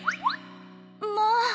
まあ。